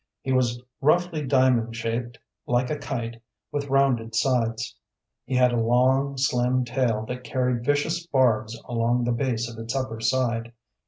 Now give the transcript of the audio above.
He was roughly diamond shaped, like a kite, with rounded sides. He had a long, slim tail that carried vicious barbs along the base of its upper side.